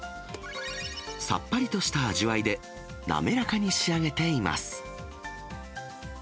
さっぱりとした味わいで、滑らかに仕上げています。